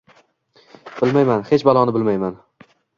Bilmayman, hech baloni bilmayman…